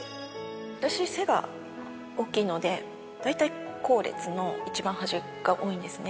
私、背が大きいので、大体、後列の一番端っこが多いんですね。